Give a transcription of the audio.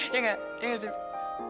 iya gak iya gak steven